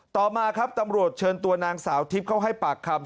ต่อมาครับตำรวจเชิญตัวนางสาวทิพย์เข้าให้ปากคำ